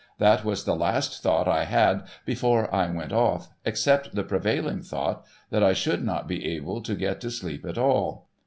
That was the last thought I had before I went off, except the prevailing thought that I should not be able to get to sleep at all.